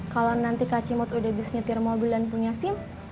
kalau nanti kak cimot udah bisa nyetir mobil dan punya sim